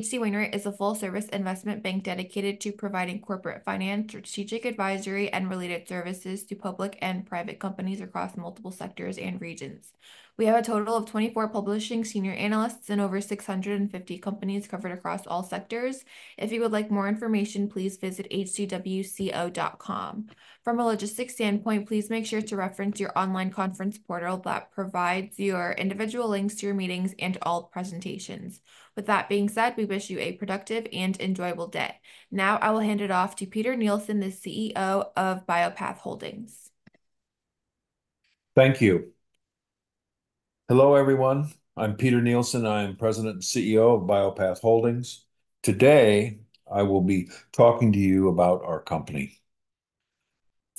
H.C. Wainwright is a full-service investment bank dedicated to providing corporate finance, strategic advisory, and related services to public and private companies across multiple sectors and regions. We have a total of 24 publishing senior analysts and over 650 companies covered across all sectors. If you would like more information, please visit hcwco.com. From a logistics standpoint, please make sure to reference your online conference portal that provides your individual links to your meetings and all presentations. With that being said, we wish you a productive and enjoyable day. Now, I will hand it off to Peter Nielsen, the CEO of Bio-Path Holdings. Thank you. Hello, everyone. I'm Peter Nielsen. I am President and CEO of Bio-Path Holdings. Today, I will be talking to you about our company.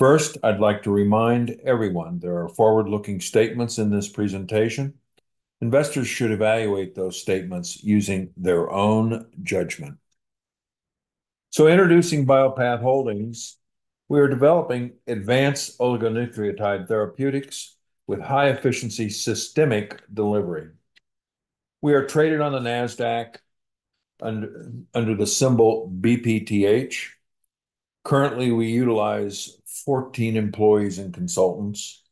First, I'd like to remind everyone there are forward-looking statements in this presentation. Investors should evaluate those statements using their own judgment. Introducing Bio-Path Holdings, we are developing advanced oligonucleotide therapeutics with high-efficiency systemic delivery. We are traded on the Nasdaq under the symbol BPTH. Currently, we utilize 14 employees and consultants.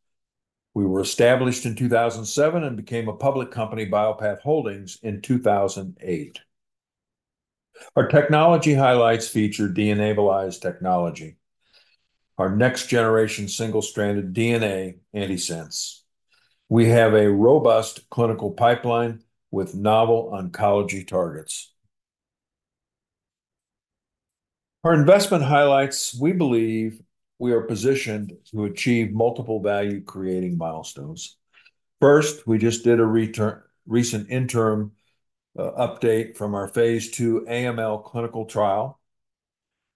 We were established in 2007 and became a public company, Bio-Path Holdings, in 2008. Our technology highlights feature DNAbilize technology, our next-generation single-stranded DNA antisense. We have a robust clinical pipeline with novel oncology targets. Our investment highlights, we believe we are positioned to achieve multiple value-creating milestones. First, we just did a recent interim update from our Phase 2 AML clinical trial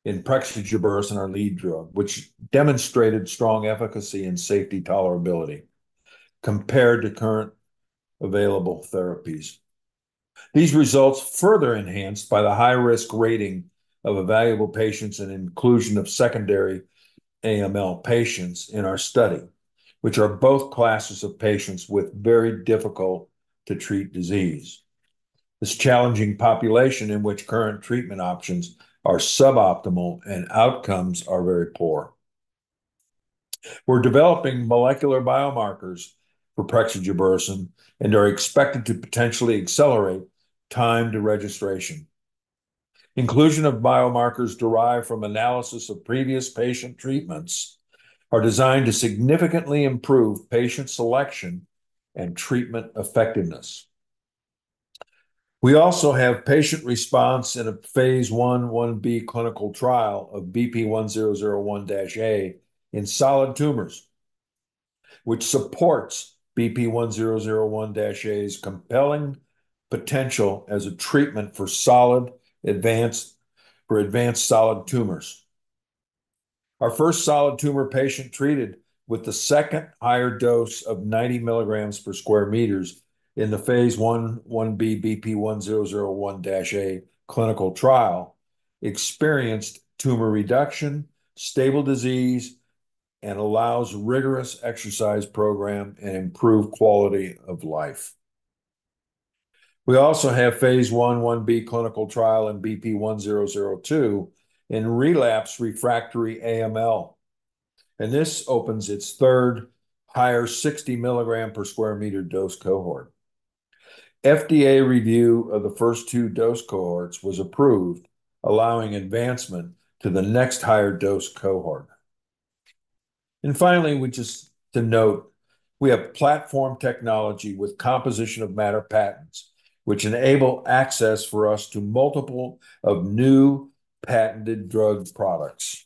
in prexigebersen, our lead drug, which demonstrated strong efficacy and safety tolerability compared to current available therapies. These results further enhanced by the high-risk rating of evaluable patients and inclusion of secondary AML patients in our study, which are both classes of patients with very difficult-to-treat disease. This challenging population in which current treatment options are suboptimal and outcomes are very poor. We're developing molecular biomarkers for prexigebersen and are expected to potentially accelerate time to registration. Inclusion of biomarkers derived from analysis of previous patient treatments are designed to significantly improve patient selection and treatment effectiveness. We also have patient response in a Phase 1/1b clinical trial of BP1001-A in solid tumors, which supports BP1001-A's compelling potential as a treatment for advanced solid tumors. Our first solid tumor patient treated with the second higher dose of 90 milligrams per square meter in the Phase 1/1b BP1001-A clinical trial experienced tumor reduction, stable disease, and allows rigorous exercise program and improved quality of life. We also have Phase 1/1b clinical trial in BP1002 in relapsed refractory AML, and this opens its third higher 60 milligrams per square meter dose cohort. FDA review of the first two dose cohorts was approved, allowing advancement to the next higher dose cohort. Finally, we just want to note we have platform technology with composition of matter patents, which enable access for us to multiple of new patented drug products.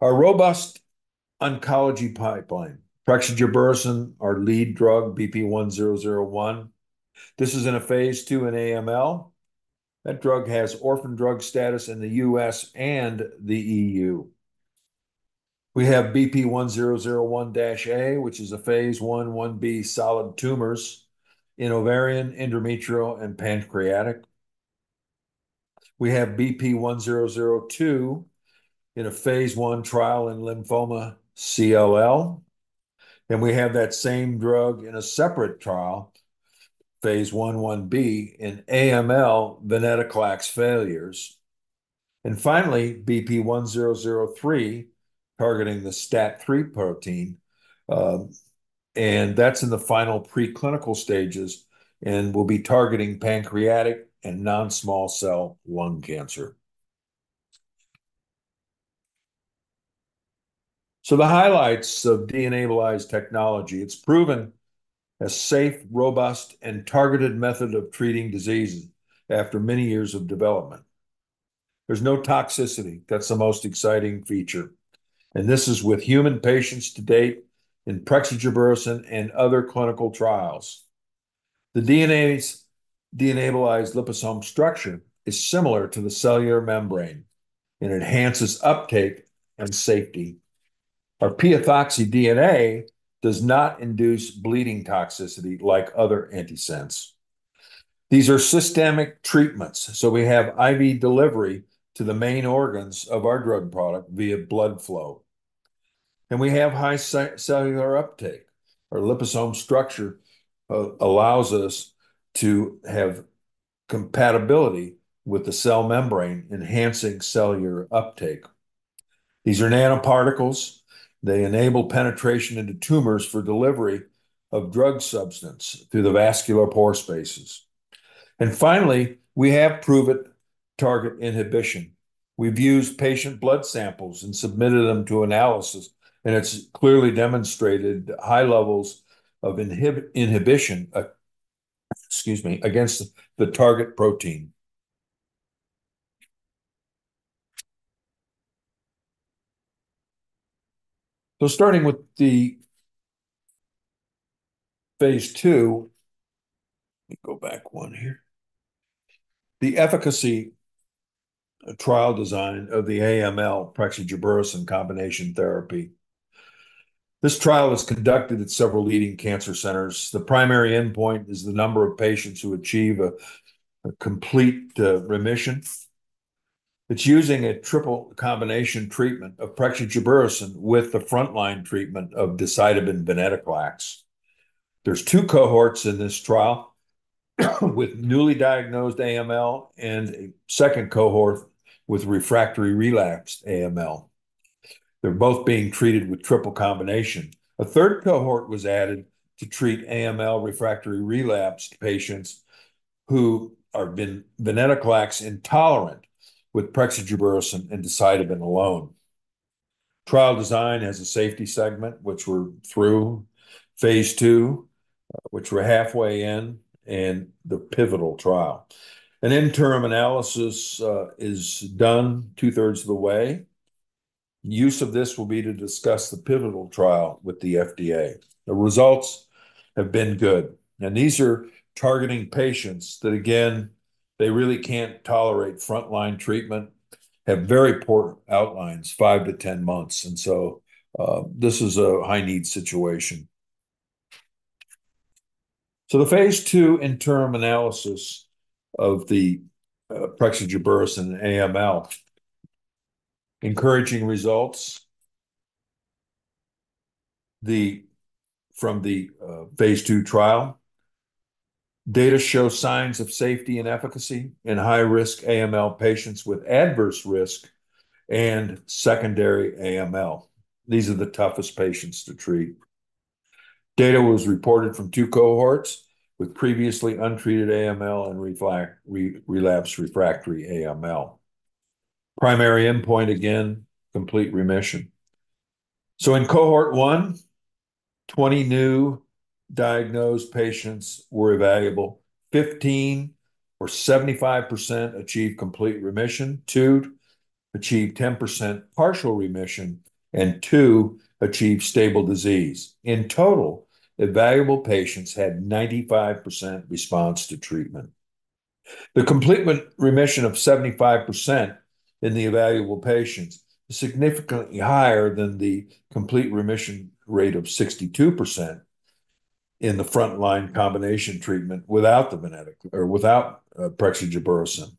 Our robust oncology pipeline, prexigebersen, our lead drug, BP1001. This is in a Phase 2 in AML. That drug has orphan drug status in the U.S. and the EU. We have BP1001-A, which is a Phase 1/1b solid tumors in ovarian, endometrial, and pancreatic. We have BP1002 in a Phase 1 trial in lymphoma, CLL, and we have that same drug in a separate trial, Phase 1/1b in AML, venetoclax failures. Finally, BP1003, targeting the STAT3 protein, and that's in the final preclinical stages and will be targeting pancreatic and non-small cell lung cancer. The highlights of DNAbilize technology. It's proven a safe, robust, and targeted method of treating diseases after many years of development. There's no toxicity. That's the most exciting feature, and this is with human patients to date in prexigebersen and other clinical trials. The DNAbilize liposome structure is similar to the cellular membrane and enhances uptake and safety. Our P-ethoxy DNA does not induce bleeding toxicity like other antisense. These are systemic treatments, so we have IV delivery to the main organs of our drug product via blood flow. We have high cellular uptake. Our liposome structure allows us to have compatibility with the cell membrane, enhancing cellular uptake. These are nanoparticles. They enable penetration into tumors for delivery of drug substance through the vascular pore spaces. Finally, we have proven target inhibition. We've used patient blood samples and submitted them to analysis, and it's clearly demonstrated high levels of inhibition against the target protein. The efficacy trial design of the AML prexigebersen combination therapy. This trial was conducted at several leading cancer centers. The primary endpoint is the number of patients who achieve a complete remission. It's using a triple combination treatment of prexigebersen with the frontline treatment of decitabine venetoclax. There's two cohorts in this trial, with newly diagnosed AML and a second cohort with refractory relapsed AML. They're both being treated with triple combination. A third cohort was added to treat AML refractory relapsed patients who are venetoclax intolerant with prexigebersen and decitabine alone. Trial design has a safety segment, which we're through, phase 2, which we're halfway in, and the pivotal trial. An interim analysis is done 2/3 of the way. Use of this will be to discuss the pivotal trial with the FDA. The results have been good, and these are targeting patients that, again, they really can't tolerate frontline treatment, have very poor outlooks, 5-10 months, and so, this is a high-need situation. The Phase 2 interim analysis of the prexigebersen AML, encouraging results. From the Phase 2 trial, data show signs of safety and efficacy in high-risk AML patients with adverse risk and secondary AML. These are the toughest patients to treat. Data was reported from two cohorts, with previously untreated AML and relapsed refractory AML. Primary endpoint, again, complete remission. In cohort one, 20 new diagnosed patients were evaluable. 15, or 75%, achieved complete remission, two achieved 10% partial remission, and two achieved stable disease. In total, evaluable patients had 95% response to treatment. The complete remission of 75% in the evaluable patients is significantly higher than the complete remission rate of 62% in the frontline combination treatment without the venetoclax or without prexigebersen.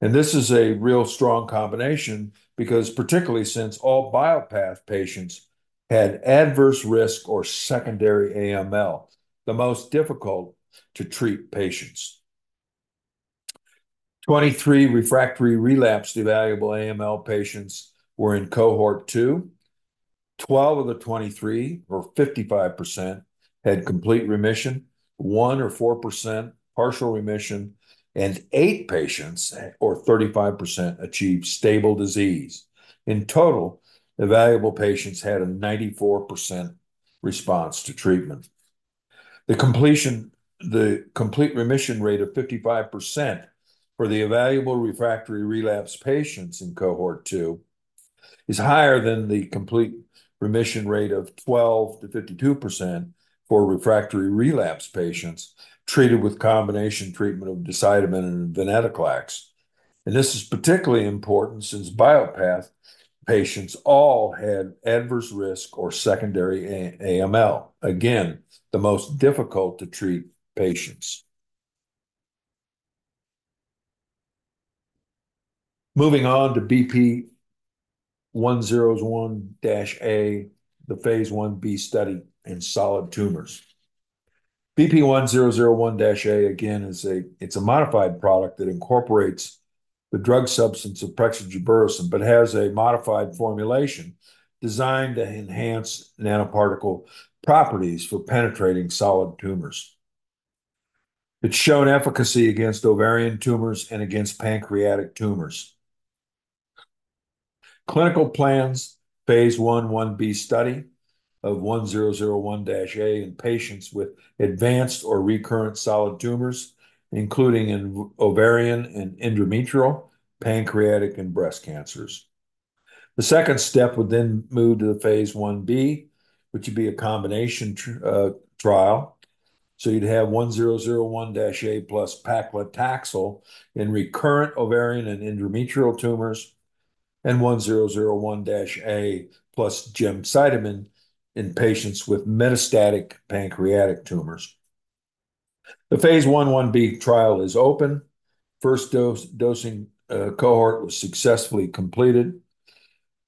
This is a real strong combination, because particularly since all BioPath patients had adverse risk or secondary AML, the most difficult to treat patients. 23 refractory relapsed evaluable AML patients were in cohort two. 12 of the 23, or 55%, had complete remission, one or 4% partial remission, and eight patients, or 35%, achieved stable disease. In total, evaluable patients had a 94% response to treatment. The complete remission rate of 55% for the evaluable refractory relapse patients in cohort two is higher than the complete remission rate of 12%-52% for refractory relapse patients treated with combination treatment of decitabine and venetoclax. This is particularly important since BioPath patients all had adverse risk or secondary AML. Again, the most difficult to treat patients. Moving on to BP1001-A, the Phase 1b study in solid tumors. BP1001-A, again, is it's a modified product that incorporates the drug substance of prexigebersen, but has a modified formulation designed to enhance nanoparticle properties for penetrating solid tumors. It's shown efficacy against ovarian tumors and against pancreatic tumors. Clinical plans, Phase 1/1b study of BP1001-A in patients with advanced or recurrent solid tumors, including in ovarian and endometrial, pancreatic, and breast cancers. The second step would then move to the phase 1b, which would be a combination trial. So you'd have 1001-A plus paclitaxel in recurrent ovarian and endometrial tumors, and 1001-A plus gemcitabine in patients with metastatic pancreatic tumors. The Phase 1/1b trial is open. First dosing cohort was successfully completed.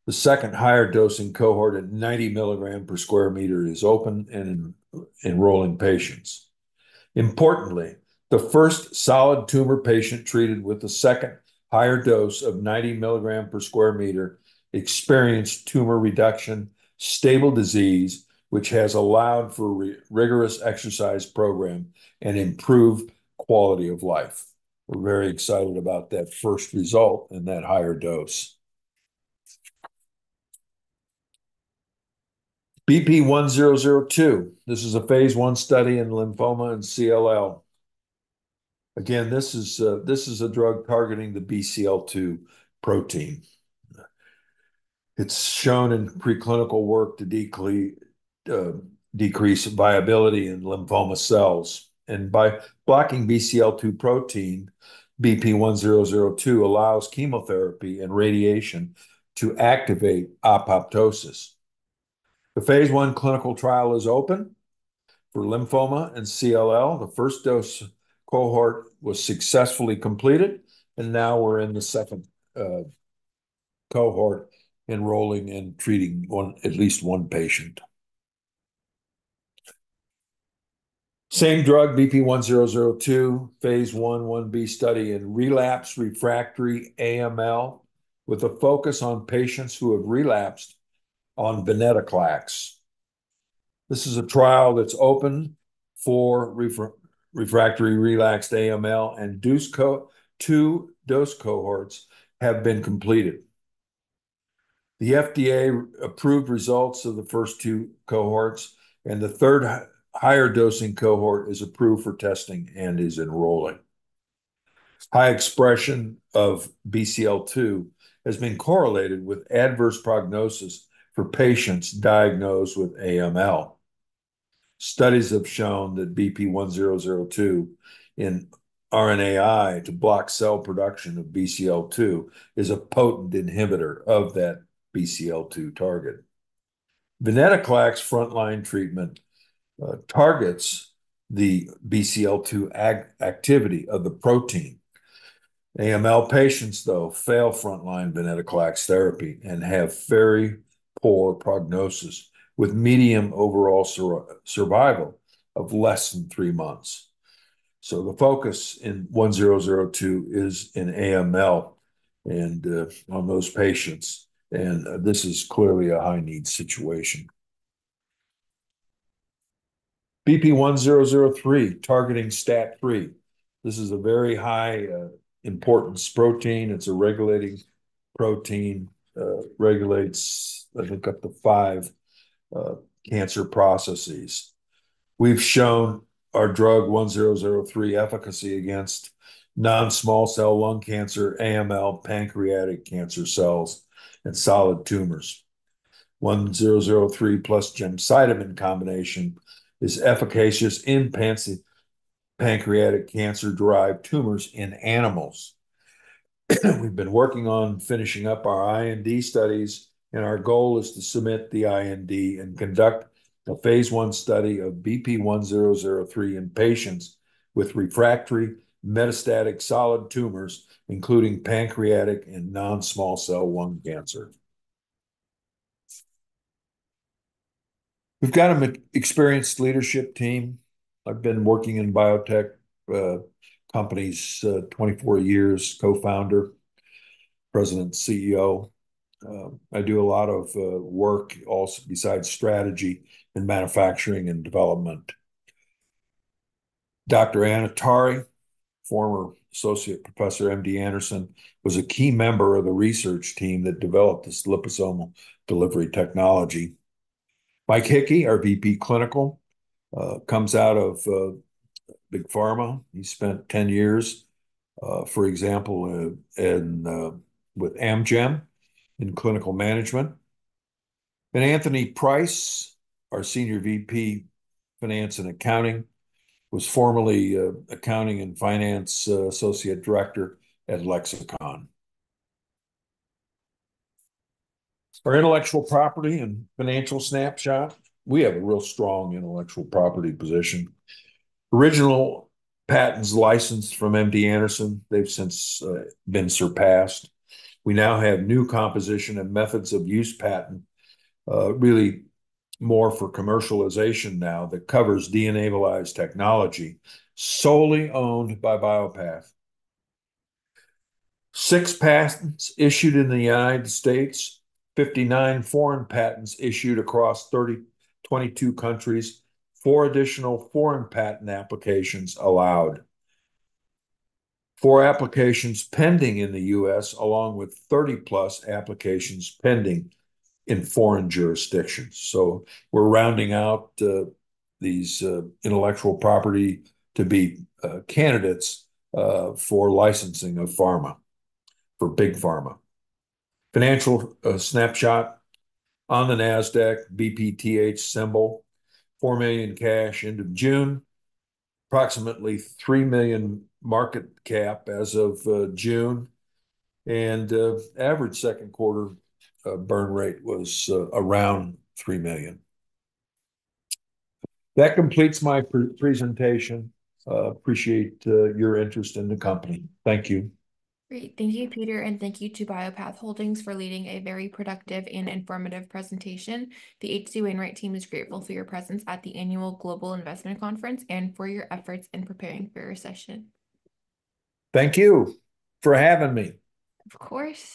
The second higher dosing cohort at 90 milligram per square meter is open and enrolling patients. Importantly, the first solid tumor patient treated with the second higher dose of 90 milligram per square meter experienced tumor reduction, stable disease, which has allowed for rigorous exercise program and improved quality of life. We're very excited about that first result in that higher dose. BP1002. This is a Phase 1 study in lymphoma and CLL. Again, this is a drug targeting the BCL-2 protein. It's shown in preclinical work to decrease viability in lymphoma cells, and by blocking BCL-2 protein, BP1002 allows chemotherapy and radiation to activate apoptosis. The Phase 1 clinical trial is open for lymphoma and CLL. The first dose cohort was successfully completed, and now we're in the second cohort, enrolling and treating one, at least one patient. Same drug, BP1002, Phase 1/1b study in relapse refractory AML, with a focus on patients who have relapsed on venetoclax. This is a trial that's open for refractory relapsed AML and two dose cohorts have been completed. The FDA-approved results of the first two cohorts and the third higher dosing cohort is approved for testing and is enrolling. High expression of BCL-2 has been correlated with adverse prognosis for patients diagnosed with AML. Studies have shown that BP1002 in RNAi to block cell production of BCL-2 is a potent inhibitor of that BCL-2 target. Venetoclax frontline treatment targets the BCL-2 activity of the protein. AML patients, though, fail frontline venetoclax therapy and have very poor prognosis, with median overall survival of less than three months. The focus in BP1002 is in AML and on those patients, and this is clearly a high-need situation. BP1003, targeting STAT3. This is a very high importance protein. It's a regulating protein, regulates, I think, up to five cancer processes. We've shown our drug BP1003 efficacy against non-small cell lung cancer, AML, pancreatic cancer cells, and solid tumors. BP1003 plus gemcitabine combination is efficacious in pancreatic cancer-derived tumors in animals. We've been working on finishing up our IND studies, and our goal is to submit the IND and conduct a Phase 1 study of BP1003 in patients with refractory metastatic solid tumors, including pancreatic and non-small cell lung cancer. We've got an experienced leadership team. I've been working in biotech companies 24 years, co-founder, President, CEO. I do a lot of work also besides strategy and manufacturing and development. Dr. Ana Tari, former Associate Professor, MD Anderson, was a key member of the research team that developed this liposomal delivery technology. Mike Hickey, our VP, Clinical, comes out of big pharma. He spent 10 years, for example, in with Amgen in clinical management. And Anthony Price, our Senior VP, Finance and Accounting, was formerly Accounting and Finance Associate Director at Lexicon. Our intellectual property and financial snapshot. We have a real strong intellectual property position. Original patents licensed from MD Anderson, they've since been surpassed. We now have new composition and methods of use patent, really more for commercialization now that covers DNAbilize technology, solely owned by BioPath. Six patents issued in the United States, 59 foreign patents issued across 22 countries, four additional foreign patent applications allowed. Four applications pending in the U.S., along with 30+ applications pending in foreign jurisdictions. So we're rounding out these intellectual property to be candidates for licensing of pharma, for Big Pharma. Financial snapshot on the Nasdaq, BPTH symbol, $4 million cash end of June, approximately $3 million market cap as of June, and average second quarter burn rate was around $3 million. That completes my presentation. Appreciate your interest in the company. Thank you. Great. Thank you, Peter, and thank you to Bio-Path Holdings for leading a very productive and informative presentation. The H.C. Wainwright team is grateful for your presence at the Annual Global Investment Conference and for your efforts in preparing for your session. Thank you for having me. Of course.